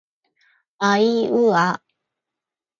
あいうあ